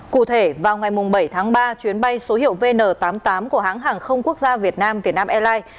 cụ thể vào ngày bảy tháng ba chuyến bay số hiệu vn tám mươi tám của hãng hàng không quốc gia việt nam vietnam airlines